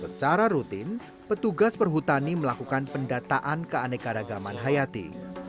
secara rutin petugas perhutani melakukan pendataan keanekaragaman hayati